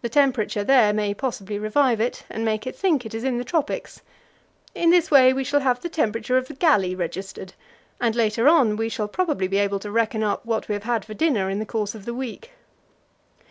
The temperature there may possibly revive it, and make it think it is in the tropics. In this way we shall have the temperature of the "galley" registered, and later on we shall probably be able to reckon up what we have had for dinner in the course of the week.